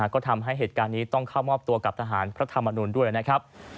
ก็ทำให้เหตุการณ์นี้ต้องเข้ามอบตัวกับทหารพระธรรมนุนด้วยนะครับ